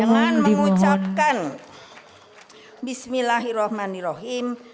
dengan mengucapkan bismillahirrahmanirrahim